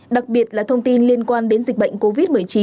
đặc biệt là thông tin liên quan đến dịch bệnh covid một mươi chín